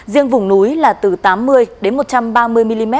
riêng vùng núi là từ tám mươi đến một trăm ba mươi mm